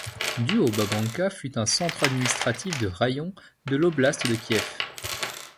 Du au Babanka fut un centre administratif de raïon de l'oblast de Kiev.